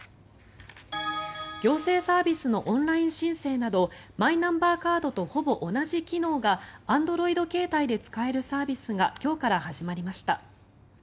行政サービスのオンライン申請などマイナンバーカードとほぼ同じ機能がＡｎｄｒｏｉｄ携帯で使えるサービスが今日から始まりました。